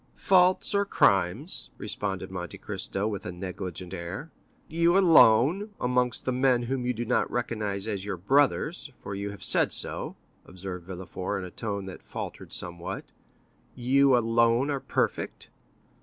"Faults or crimes," responded Monte Cristo with a negligent air. "And that you alone, amongst the men whom you do not recognize as your brothers—for you have said so," observed Villefort in a tone that faltered somewhat—"you alone are perfect."